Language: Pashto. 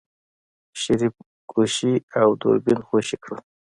شريف ګوشي او دوربين خوشې کړل.